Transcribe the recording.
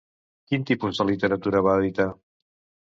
Quin tipus de literatura va editar?